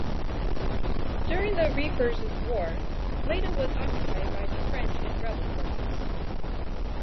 During the Reapers' War, Lleida was occupied by the French and rebel forces.